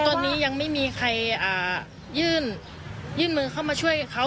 ตอนนี้ยังไม่มีใครยื่นมือเข้ามาช่วยเขา